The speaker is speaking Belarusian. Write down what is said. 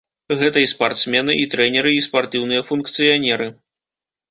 Гэта і спартсмены, і трэнеры, і спартыўныя функцыянеры.